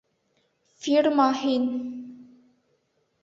Фирма «Һин!»